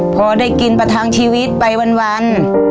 พอได้กินประทังชีวิตไปวัน